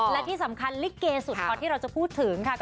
และที่สำคัญสุดที่เราจะพูดถึงค่ะ